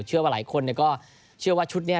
เชื่อว่าหลายคนเนี่ยก็เชื่อว่าชุดเนี่ย